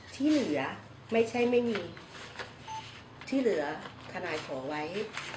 ที่เหลือไม่ใช่ไม่มีที่เหลือทนายขอไว้